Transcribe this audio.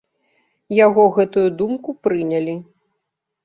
Яго гэтую думку прынялі.